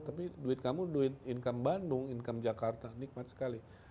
tapi duit kamu duit income bandung income jakarta nikmat sekali